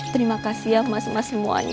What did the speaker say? terima kasih ya mas emas semuanya